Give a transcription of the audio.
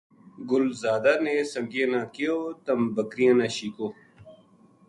گل زادا نے سنگیاں نا کہیو تم بکریاں نا شیکو